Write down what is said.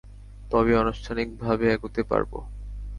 তবেই আনুষ্ঠানিকভাবে এগোতে পারব।